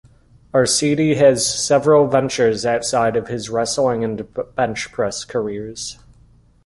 Arcidi has several ventures outside of his wrestling and bench press careers.